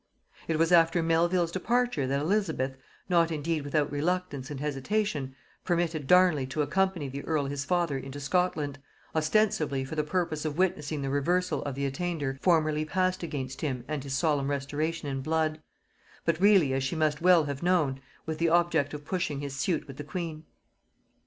It was after Melvil's departure that Elizabeth, not indeed without reluctance and hesitation, permitted Darnley to accompany the earl his father into Scotland, ostensibly for the purpose of witnessing the reversal of the attainder formerly passed against him, and his solemn restoration in blood; but really, as she must well have known, with the object of pushing his suit with the queen.